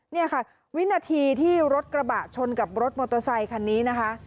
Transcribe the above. นี่ค่ะวินาทีที่รถกระบะชนกับรถมอเตอร์ไซคันนี้นะคะ